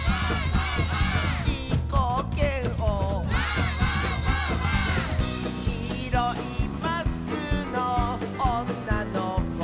「じーこーけんお」「きいろいマスクのおんなのこ」